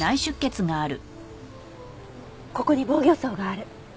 ここに防御創がある。